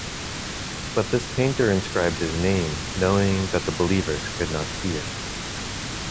But this painter inscribed his name, knowing that the believers could not see it.